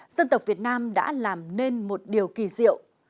dân tộc việt nam đã làm nên một điều kỳ diệu